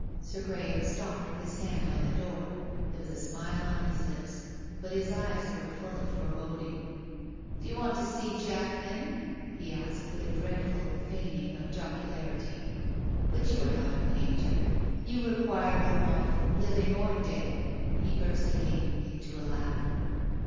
Sir Graham stopped with his hand on the door. There was a smile on his lips, but his eyes were full of foreboding. " Do you want to see Jack, then ?" he asked, with a dreadful feigning of jocularity. " But you arc not a painter. You require no model, living or dead." He burst again into a laugh.